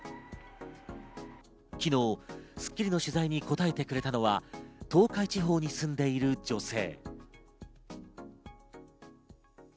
昨日、『スッキリ』の取材に答えてくれたのは東海地方に住んでいる女性。